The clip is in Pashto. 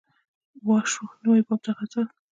وا شو نوی باب د غزل